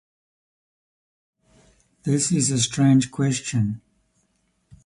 This is a strange question.